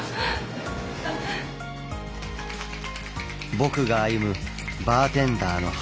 僕が歩むバーテンダーの果て